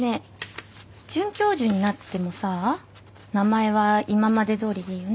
准教授になってもさ名前は今までどおりでいいよね？